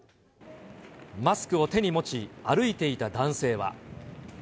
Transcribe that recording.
マスクを手に持ち、歩いていた男性は。